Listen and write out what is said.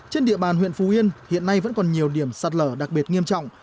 trên địa bàn huyện phú yên hiện nay vẫn còn nhiều điểm sạt lở đặc biệt nghiêm trọng